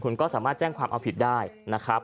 คุณก็สามารถแจ้งความเอาผิดได้นะครับ